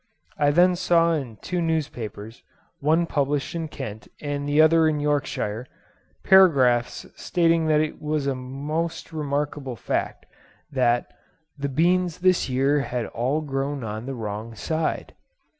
I then saw in two newspapers, one published in Kent and the other in Yorkshire, paragraphs stating that it was a most remarkable fact that "the beans this year had all grown on the wrong side."